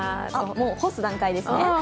もう干す段階ですね？